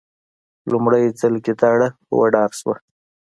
لومړی ځل ګیدړه وډار شوه.